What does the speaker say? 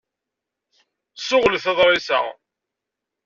Ssuɣlet aḍṛis-a.